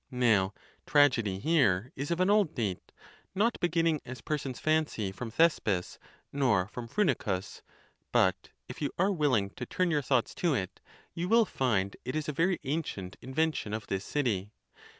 Now tragedy here is of an old date, not beginning as persons fancy from Thespis, nor from Phrynichus; but, if you are willing toturn your thoughts to it, you will find it is a very ancient invention of this city.